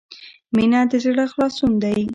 • مینه د زړۀ خلاصون دی.